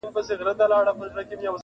په یو ترڅ کي یې ترې وکړله پوښتنه؛